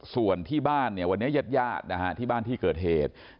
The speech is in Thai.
ส่วนที่บ้านวันนี้เหย็ดชาตินะค่ะที่บ้านที่เกิดเหตุ